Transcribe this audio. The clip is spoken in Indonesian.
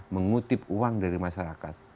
mengutip uang dari masyarakat